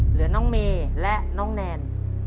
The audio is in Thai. เหลือน้องเมย์และน้องแนน